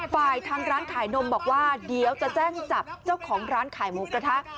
ทางร้านขายนมบอกว่าเดี๋ยวจะแจ้งจับเจ้าของร้านขายหมูกระทะ